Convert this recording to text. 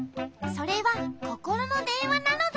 それはココロのでんわなのだ。